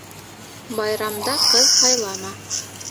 Байрамда ҡыҙ һайлама.